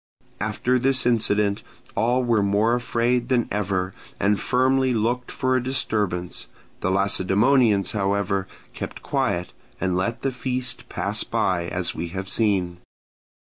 After this incident all were more afraid than ever, and firmly looked for a disturbance: the Lacedaemonians, however, kept quiet, and let the feast pass by, as we have seen.